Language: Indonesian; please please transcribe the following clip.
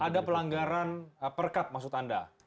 ada pelanggaran perkap maksud anda